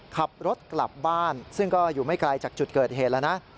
ขับรถกลับบ้านซึ่งก็อยู่ไม่ไกลจากจุดเกิดเหตุแล้วนะ